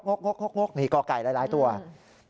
งบงบงบงบหนีกอไก่หลายหลายตัวอือ